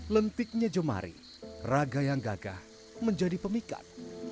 lentiknya jemari raga yang gagah menjadi pemikat